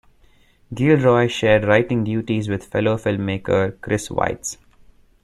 Gilroy shared writing duties with fellow filmmaker Chris Weitz.